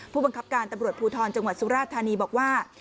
ผู้บังคับการตำรวจภูทรจังหวัดสุราธานีบอกว่า